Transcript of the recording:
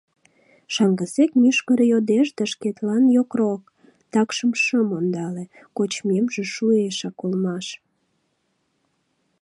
Шаҥгысек мӱшкыр йодеш, да шкетлан йокрок, — такшым шым ондале, кочмемже шуэшак улмаш.